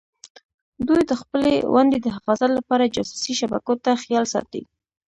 دوی د خپلې ونډې د حفاظت لپاره جاسوسي شبکو ته خیال ساتي.